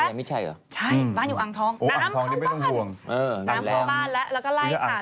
พี่เอไม่ใช่เหรอใช่บ้านอยู่อ่างทองน้ำเข้าบ้านน้ำเข้าบ้านแล้วก็ไล่ค่ะ